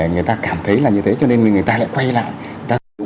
người ta cảm thấy là như thế cho nên người ta lại quay lại